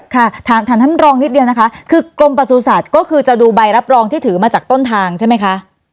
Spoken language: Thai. ค่ะถามท่านรองนิดเดียวนะคะคือกรมประสุทธิ์ก็คือจะดูใบรับรองที่ถือมาจากต้นทางใช่ไหมคะ